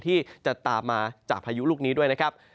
ที่จะตามมาจากพายุลูกนี้ด้วยนะครับ